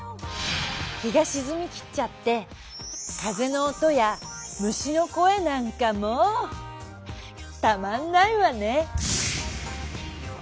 日がしずみきっちゃって風の音や虫の声なんかもたまんないわね。